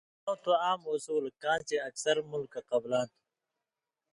ڇَیؤں تُھو عام اُصولہ کاں چے اکثر مُلکہ قبلاں تھہ۔